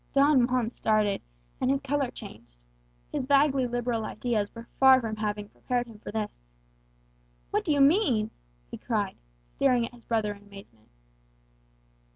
Don Juan started, and his colour changed. His vaguely liberal ideas were far from having prepared him for this. "What do you mean?" he cried, staring at his brother in amazement.